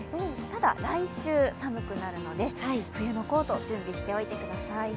ただ、来週、寒くなるので冬のコート、準備しておいてください。